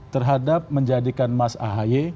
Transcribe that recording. terhadap menjadikan mas ahy